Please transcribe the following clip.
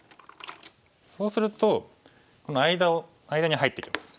そうすると間に入ってきます。